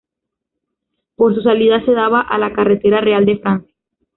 Por su salida se daba a la "Carretera Real de Francia".